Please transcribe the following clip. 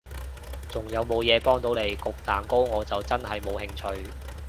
仲有無嘢幫到你？焗蛋糕我就真係冇興趣